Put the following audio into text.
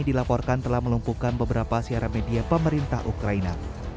dilaporkan telah melumpuhkan beberapa siaran media pemerintah ukraina